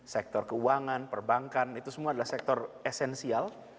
sektor keuangan perbankan itu semua adalah sektor esensial